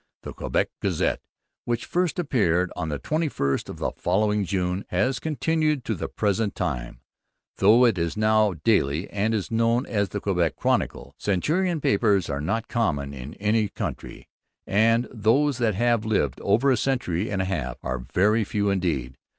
The Quebec Gazette, which first appeared on the 21st of the following June, has continued to the present time, though it is now a daily and is known as the Quebec Chronicle. Centenarian papers are not common in any country; and those that have lived over a century and a half are very few indeed.